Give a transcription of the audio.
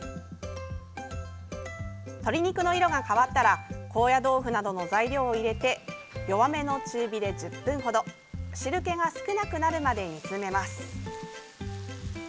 鶏肉の色が変わったら高野豆腐などの材料を入れて弱めの中火で１０分ほど汁けが少なくなるまで煮詰めます。